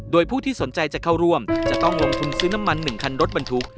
โดยผู้ที่สนใจจะเข้าร่วมจะต้องลงทุนซื้อน้ำมัน๑คันรถบรรทุก